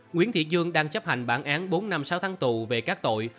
nguyễn thị dương đang chấp hành bản án bốn năm sáu tháng tù về các tội